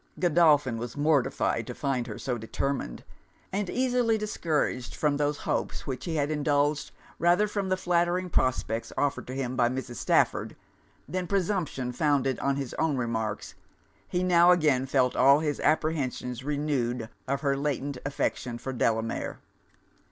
Godolphin was mortified to find her so determined. And easily discouraged from those hopes which he had indulged rather from the flattering prospects offered to him by Mrs. Stafford than presumption founded on his own remarks, he now again felt all his apprehensions renewed of her latent affection for Delamere.